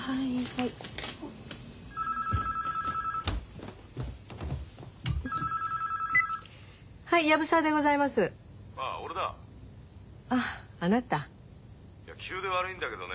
☎いや急で悪いんだけどね